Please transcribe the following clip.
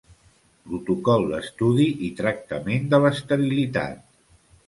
Protocol d'estudi i tractament de l'esterilitat.